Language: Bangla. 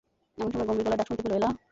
এমন সময় গম্ভীর গলায় ডাক শুনতে পেল, এলা।